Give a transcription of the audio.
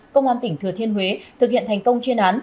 công an tỉnh thừa thiên huế thực hiện thành công chuyên án